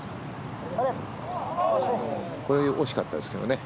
これ惜しかったですけどね。